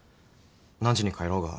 何時に帰ろうが